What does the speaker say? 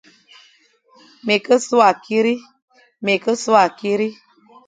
Me ke so akiri,